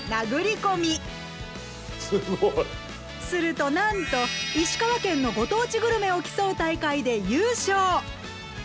するとなんと石川県のご当地グルメを競う大会で優勝！